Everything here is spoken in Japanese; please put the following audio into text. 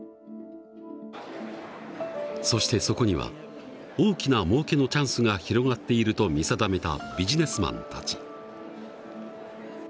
そしてそこには大きなもうけのチャンスが広がっていると見定めたビジネスマンたち。